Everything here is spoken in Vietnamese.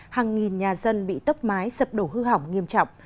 hàng nghìn nhà dân bị tốc mái sập đổ hư hỏng nghiêm trọng